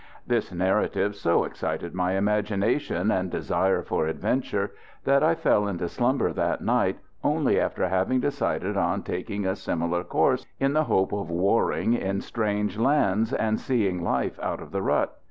This narrative so excited my imagination and desire for adventure that I fell into slumber that night only after having decided on taking a similar course, in the hope of warring in strange lands and seeing life out of the rut.